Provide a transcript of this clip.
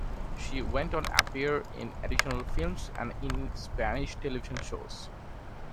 She went on appear in additional films and in Spanish television shows.